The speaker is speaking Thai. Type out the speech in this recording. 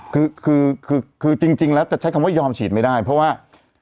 คือคือจริงแล้วจะใช้คำว่ายอมฉีดไม่ได้เพราะว่า